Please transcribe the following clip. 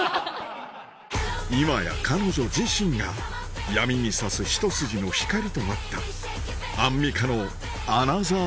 今や彼女自身が闇に差すひと筋の光となったアンミカのアナザー